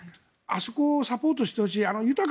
あそこをサポートしてほしい。